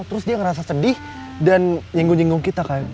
terus dia ngerasa sedih dan nyinggung nyinggung kita kan